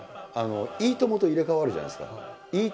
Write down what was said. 「いいとも！」と入れ替わるじゃないですか。